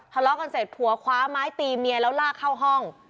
ทะเลาะกันเสร็จผัวคว้าไม้ตีเมียแล้วลากเข้าห้อง